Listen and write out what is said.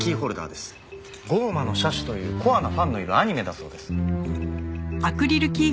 『降魔の射手』というコアなファンのいるアニメだそうです。